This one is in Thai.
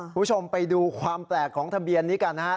คุณผู้ชมไปดูความแปลกของทะเบียนนี้กันนะฮะ